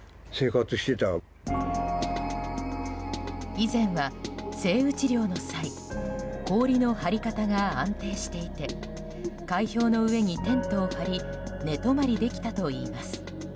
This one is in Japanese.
以前はセイウチ猟の際氷の張り方が安定していて海氷の上にテントを張り寝泊まりできたといいます。